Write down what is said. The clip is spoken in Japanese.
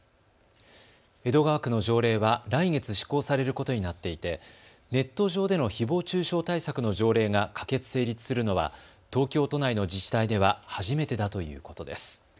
江戸川区の条例は来月施行されることになっていてネット上でのひぼう中傷対策の条例が可決・成立するのは東京都内の自治体では初めてだということです。